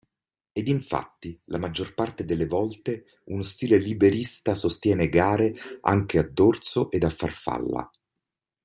Ed infatti la maggior parte delle volte uno stile liberista sostiene gare anche a dorso ed a farfalla.